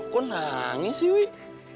kok nangis sih wik